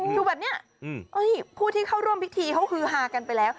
ดูแบบนี้ผู้ที่เข้าร่วมพิธีเขาฮือฮากันไปแล้ว